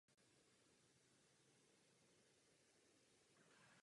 Na olympijské hry v Montrealu nebyl nominován.